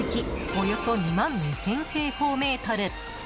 およそ２万２０００平方メートル。